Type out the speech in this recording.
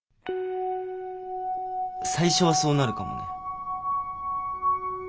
最初はそうなるかもね。